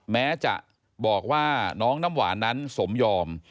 แม้จะบอกว่าน้องน้ำหวานนั้นสมยอม